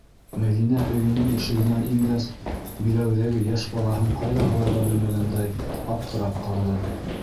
Мәҙинә өйөнөң ишегенән ингәс, биләүҙәге йәш балаһын ҡайҙа һалырға белмәгәндәй, аптырап ҡалды.